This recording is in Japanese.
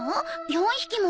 ４匹も。